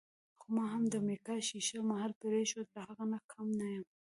خو ما هم د امریکا ښیښه محل پرېښود، له هغه نه کم نه یم.